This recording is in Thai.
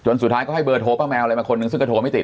สุดท้ายก็ให้เบอร์โทรป้าแมวอะไรมาคนหนึ่งซึ่งก็โทรไม่ติด